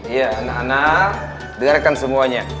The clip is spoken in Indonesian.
iya anak anak dengarkan semuanya